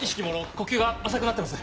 呼吸が浅くなってます。